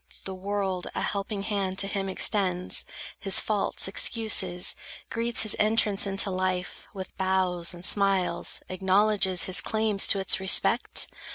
—the world a helping hand To him extends, his faults excuses, greets His entrance into life, with bows and smiles Acknowledges his claims to its respect?